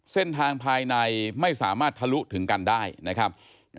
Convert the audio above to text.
เส้นทางภายในไม่สามารถทะลุถึงกันได้นะครับ